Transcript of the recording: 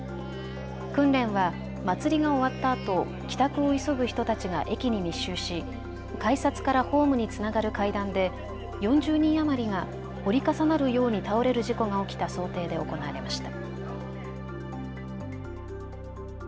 訓練は祭りが終わったあと帰宅を急ぐ人たちが駅に密集し改札からホームにつながる階段で４０人余りが折り重なるように倒れる事故が起きた想定で行われました。